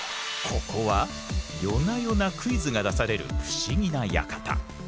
ここは夜な夜なクイズが出される不思議な館。